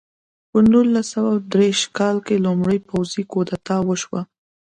په نولس سوه دېرش کال کې لومړنۍ پوځي کودتا وشوه.